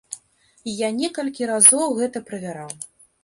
Я некалькі разоў гэта правяраў.